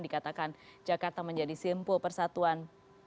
dikatakan jakarta menjadi simpul persatuan